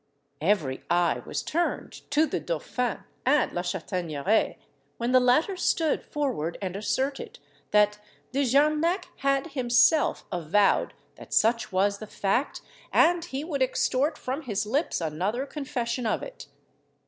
Every eye was turned to the dauphin and La Chataigneraie, when the latter stood forward and asserted, that De Jarnac had himself avowed that such was the fact, and he would extort from his lips another confession of it.